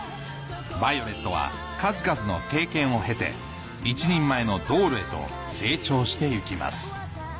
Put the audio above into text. ヴァイオレットは数々の経験を経て一人前のドールへと成長して行きます